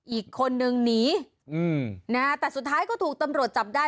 อีกคนนึงหนีนะฮะแต่สุดท้ายก็ถูกตำรวจจับได้